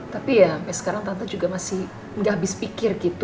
tapi ya sampai sekarang tante juga masih gak habis pikir gitu